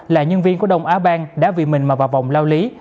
là nhân viên của đồng á bang đã vì mình mà bỏ bỏng lao lý